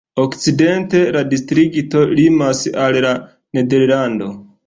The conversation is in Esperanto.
Okcidente la distrikto limas al Nederlando.